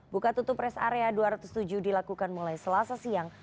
buka tutup res area dua ratus tujuh dilakukan mulai selasa siang